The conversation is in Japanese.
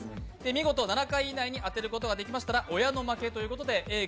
見事７回以内に当てることができましたら、親の負けということでＡぇ！